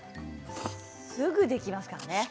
すぐできますからね。